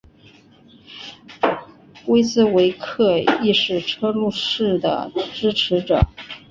威斯维克亦是车路士的支持者。